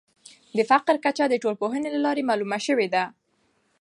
د فقر کچه د ټولنپوهني له لارې معلومه سوې ده.